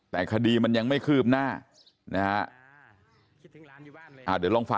แต่คดีมันยังไม่คืบหน้านะฮะ